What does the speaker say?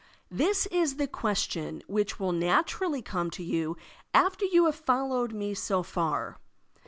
This is the question which will naturally come to you after you have fol lowed me so far.